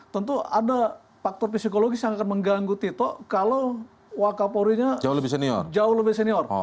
tentu ada faktor psikologis yang akan mengganggu tito kalau wakaporinya jauh lebih senior